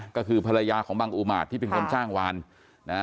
ก็คือภรรยาของบังอุมาตที่เป็นคนจ้างวานนะฮะ